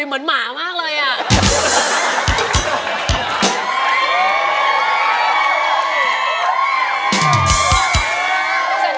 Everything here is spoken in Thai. ถ้าพร้อมขอเสียงกรี๊ดดัง